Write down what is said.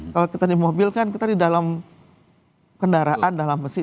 kalau kita di mobil kan kita di dalam kendaraan dalam mesin